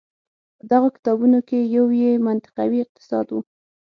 په دغو کتابونو کې یو یې منطقوي اقتصاد و.